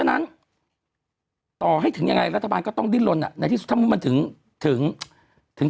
ในที่ถึงการระบาดรอบสองกลับมาอีกครั้งหนึ่ง